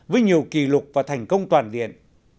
với nhiều kỷ lục và thành công toàn liện